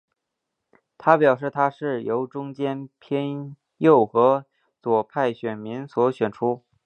他表示他是由中间偏右和左派选民所选出。